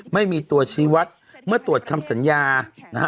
ไม่มีตัวชีวัตรเมื่อตรวจคำสัญญานะฮะ